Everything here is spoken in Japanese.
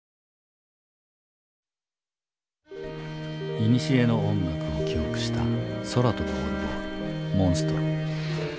いにしえの音楽を記憶した空飛ぶオルゴール「モンストロ」。